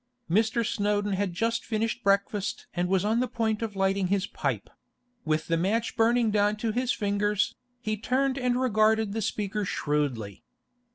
Mr. Snowdon had just finished breakfast and was on the point of lighting his pipe; with the match burning down to his fingers, he turned and regarded the speaker shrewdly.